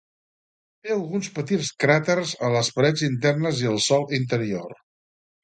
Té alguns petits cràters a les parets internes i al sòl interior.